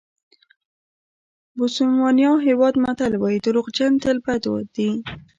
بوسوانیا هېواد متل وایي دروغجن تل بد دي.